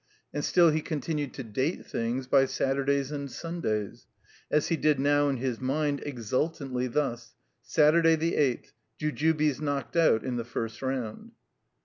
And still he continued to date things by Saturdays and Sun days; as he did now in his mind, exultantly, thus: '*Sattu day, the eighth: Jujubes knocked out in the first round."